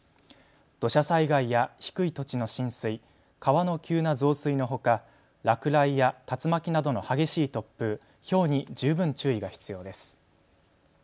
土砂災害や低い土地の浸水、川の急な増水のほか落雷や竜巻などの激しい突風、ひょうに十分注意が必要です。